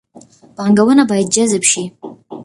پانګونه باید جذب شي